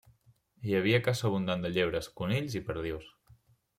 Hi havia caça abundant de llebres, conills i perdius.